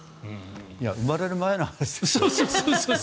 生まれる前の話ですよね。